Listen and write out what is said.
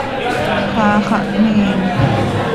¡Xaa xah mhiin!